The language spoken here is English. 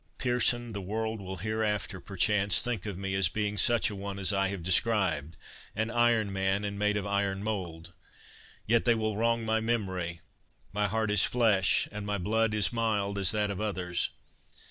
Pearson, the world will hereafter, perchance, think of me as being such a one as I have described, 'an iron man, and made of iron mould.'—Yet they will wrong my memory—my heart is flesh, and my blood is mild as that of others.